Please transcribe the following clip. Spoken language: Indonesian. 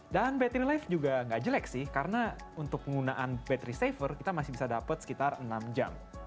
dan battery life juga gak jelek sih karena untuk penggunaan battery saver kita masih bisa dapat sekitar enam jam